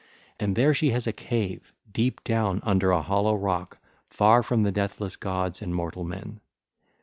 And there she has a cave deep down under a hollow rock far from the deathless gods and mortal men.